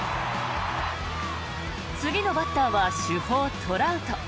次のバッターは主砲、トラウト。